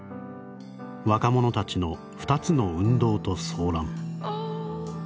若者たちの２つの運動と騒乱」。